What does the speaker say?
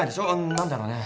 何だろうね。